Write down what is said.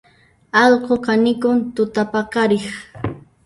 Allqu kanikun tutapaqariq